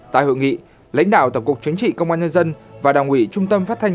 tại hội nghị lãnh đạo tổng cục chính trị công an nhân dân và đảng ủy trung tâm phát thanh